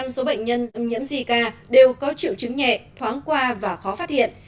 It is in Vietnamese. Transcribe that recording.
một mươi số bệnh nhân nhiễm zika đều có triệu chứng nhẹ thoáng qua và khó phát hiện